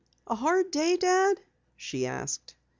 "A hard day, Dad?" she asked.